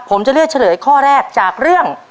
ผมจะเลือกเฉลยข้อแรกจากเรื่อง